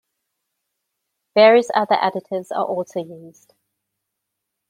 Various other additives are also used.